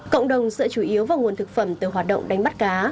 cộng đồng sợ chủ yếu vào nguồn thực phẩm từ hoạt động đánh bắt cá